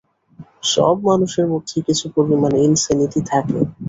সব মানুষের মধ্যেই কিছু পরিমাণ ইনসেনিটি থাকে।